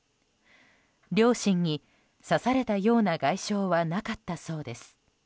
両親に刺されたような外傷はなかったそうです。